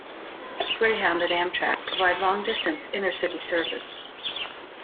Greyhound and Amtrak provide long-distance intercity service.